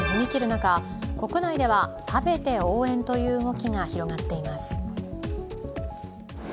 中国内では食べて応援という動きが広がっています。